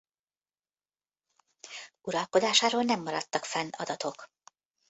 Uralkodásáról nem maradtak fenn adatok.